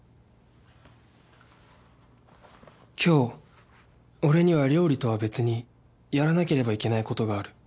今日俺には料理とは別にやらなければいけない事がある